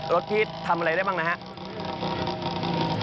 รถพี่ทำอะไรได้บ้างนะครับ